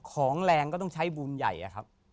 ของแรงก็ต้องใช้บุญใหญ่อะครับ